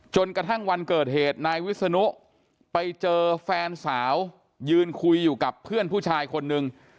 จนกระทั่งวันเกิดเหตุนายวิศนุไปเจอแฟนสาวยืนคุยอยู่กับเพื่อนผู้ชายคนนึง